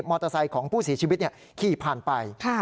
มอเตอร์ไซค์ของผู้สีชีวิตขี่ผ่านไป